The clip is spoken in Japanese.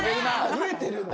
増えてるんだ